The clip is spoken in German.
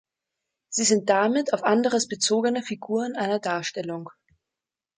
Sie sind damit auf anderes bezogene Figuren einer Darstellung.